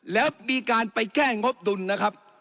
แล้วมีการไปแก้งบดุลนะครับ